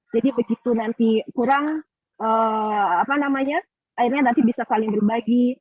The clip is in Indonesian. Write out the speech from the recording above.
jadi begitu nanti kurang airnya nanti bisa saling berbagi